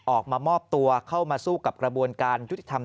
ออกมามอบตัวเข้ามาสู้กับกระบวนการยุติธรรม